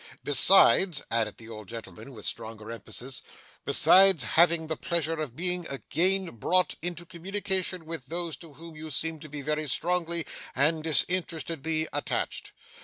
Besides,' added the old gentleman with stronger emphasis, 'besides having the pleasure of being again brought into communication with those to whom you seem to be very strongly and disinterestedly attached.